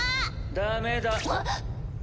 ダメだ。